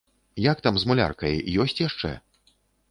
Як там з муляркай, ёсць яшчэ?